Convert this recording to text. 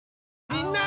みんな！